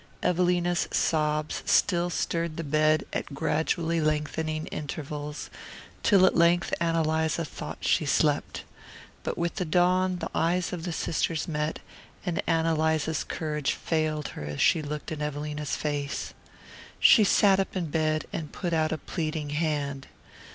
Evelina's sobs still stirred the bed at gradually lengthening intervals, till at length Ann Eliza thought she slept. But with the dawn the eyes of the sisters met, and Ann Eliza's courage failed her as she looked in Evelina's face. She sat up in bed and put out a pleading hand.